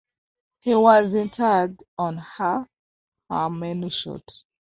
He was interred on Har HaMenuchot.